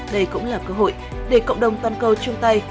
đây cũng là cơ hội để cộng đồng toàn cầu chung tay